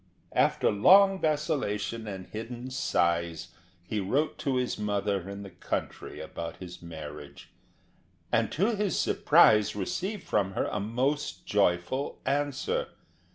After long vacillation and hidden sighs he wrote to his mother in the country about his marriage, and to his surprise received from her a most joyful answer.